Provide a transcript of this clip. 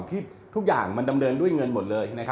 ที่ทุกอย่างมันดำเนินด้วยเงินหมดเลย